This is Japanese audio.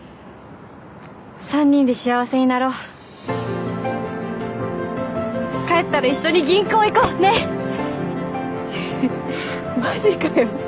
３人で幸せになろう帰ったら一緒に銀行行こうねっマジかよ